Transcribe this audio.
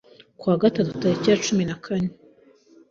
ku wa Gatanu tariki ya cumi nakane